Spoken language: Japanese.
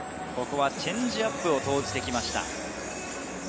チェンジアップを投じてきました。